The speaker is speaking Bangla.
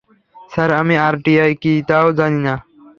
স্যার, আমি আরটিআই কী তাও জানি না।